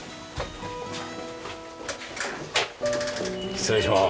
失礼します。